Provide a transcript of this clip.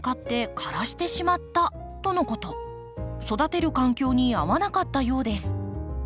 育てる環境に合わなかったようです。